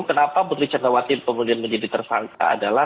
kenapa putri candrawati kemudian menjadi tersangka adalah